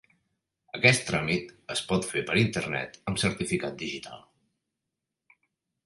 Aquest tràmit es pot fer per internet amb certificat digital.